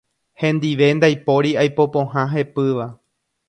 Hendive ndaipóri aipo pohã hepýva.